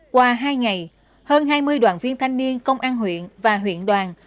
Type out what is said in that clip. qua hai ngày hơn hai mươi đoàn viên thanh niên công an huyện và huyện đoàn